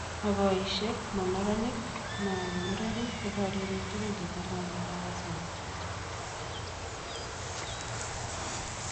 ma boishek, mo neranik, mo murenik ko bariennyo tugul ketar ngalek ab asoya